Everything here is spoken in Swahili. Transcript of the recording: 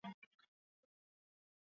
Kifo kisimani.